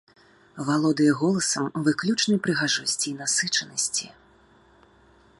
Валодае голасам выключнай прыгажосці і насычанасці.